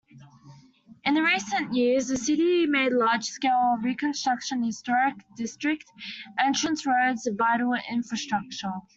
In recent years, the city made large-scale reconstruction historic district, entrance roads, vital infrastructure.